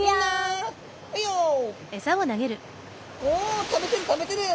おお食べてる食べてる！